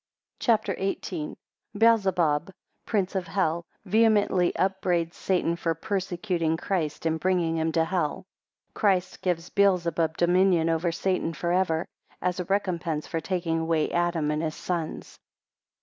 CHAPTER XVIII. 1 Beelzebub, prince of hell, vehemently upbraids Satan for persecuting Christ and bringing him to hell. 14 Christ gives Beelzebub dominion over Satan forever, as a recompence for taking away Adam and his sons.